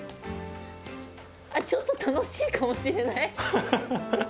ちょっと楽しいかもしれない。